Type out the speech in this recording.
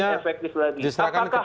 jadi maksudnya diserahkan dari saya